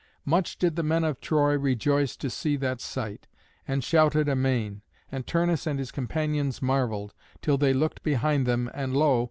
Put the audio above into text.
Much did the men of Troy rejoice to see that sight, and shouted amain. And Turnus and his companions marvelled, till they looked behind them, and lo!